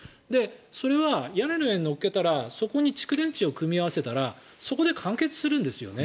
それは屋根の上に乗っけたらそこに蓄電池を組み合わせたらそこで完結するんですね。